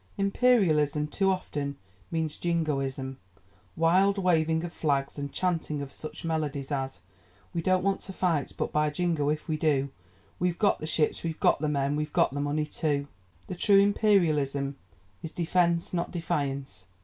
Imperialism too often means 'Jingoism,' wild waving of flags and chanting of such melodies as: We don't want to fight, But, by Jingo, if we do, We've got the ships, we've got the men, We've got the money too. The true Imperialism is "defence, not defiance."